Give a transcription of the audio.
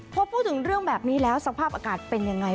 พอพูดถึงเรื่องแบบนี้แล้วสภาพอากาศเป็นยังไง